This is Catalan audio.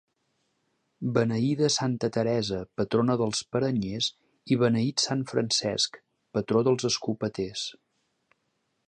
Beneïda santa Teresa, patrona dels paranyers, i beneït sant Francesc, patró dels escopeters.